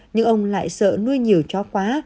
nhưng ông lại sợ nuôi nhiều chó quá